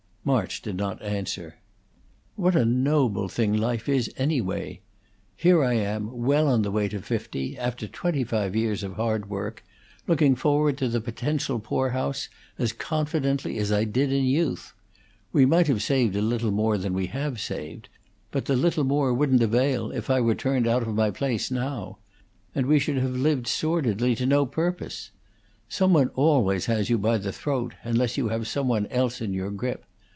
March did not answer. "What a noble thing life is, anyway! Here I am, well on the way to fifty, after twenty five years of hard work, looking forward to the potential poor house as confidently as I did in youth. We might have saved a little more than we have saved; but the little more wouldn't avail if I were turned out of my place now; and we should have lived sordidly to no purpose. Some one always has you by the throat, unless you have some one else in your grip.